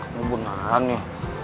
kamu beneran ya